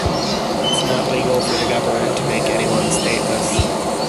It's not legal for the government to make anyone stateless.